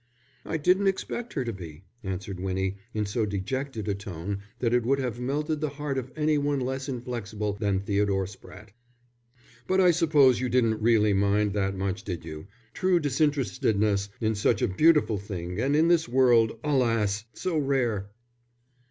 "I didn't expect her to be," answered Winnie, in so dejected a tone that it would have melted the heart of any one less inflexible than Theodore Spratte. "But I suppose you didn't really mind that much, did you? True disinterestedness is such a beautiful thing, and in this world, alas! so rare."